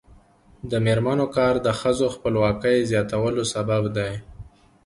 د میرمنو کار د ښځو خپلواکۍ زیاتولو سبب دی.